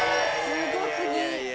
すごすぎ！